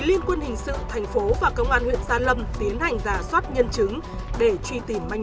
liên quân hình sự thành phố và công an huyện gia lâm tiến hành giả soát nhân chứng để truy tìm manh